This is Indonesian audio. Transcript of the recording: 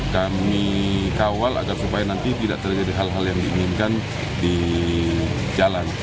kami kawal agar supaya nanti tidak terjadi hal hal yang diinginkan di jalan